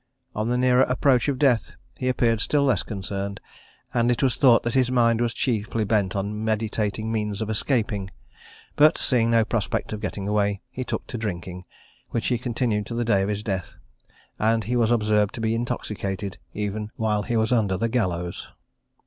On the nearer approach of death he appeared still less concerned; and it was thought that his mind was chiefly bent on meditating means of escaping: but seeing no prospect of getting away, he took to drinking, which he continued to the day of his death; and he was observed to be intoxicated, even while he was under the gallows.